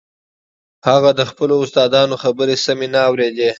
هغه د خپلو استادانو خبرې سمې نه اورېدې.